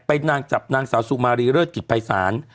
นางจับนางสาวสุมารีเลิศกิจภัยศาล